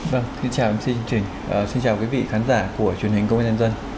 vâng xin chào quý vị khán giả của truyền hình công an nhân dân